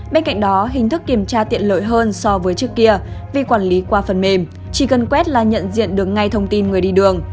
bên cạnh đó hình thức kiểm tra tiện lợi hơn so với trước kia vì quản lý qua phần mềm chỉ cần quét là nhận diện được ngay thông tin người đi đường